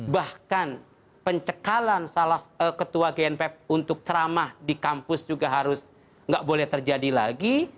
bahkan pencekalan salah ketua gnpp untuk ceramah di kampus juga harus nggak boleh terjadi lagi